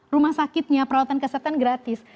rumah sakitnya perawatan kesehatan gratis